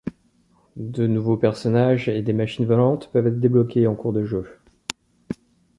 De nouveaux personnages et des machines volantes peuvent être débloqués en cours de jeu.